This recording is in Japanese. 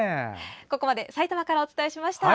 ここまで、さいたまからお伝えしました。